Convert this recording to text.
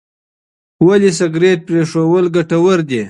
ولې سګریټ پرېښودل ګټور دي؟